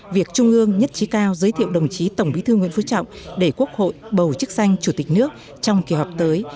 việc trung ương nhất trí cao giới thiệu đồng chí tổng bí thư nguyễn phú trọng để quốc hội bầu chức sanh chủ tịch nước trong kỳ họp tới